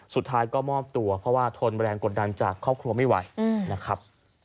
สุดท้ายก็มอบตัวเพราะว่าทนแรงกดดันจากครอบครัวไม่ไหวนะครับ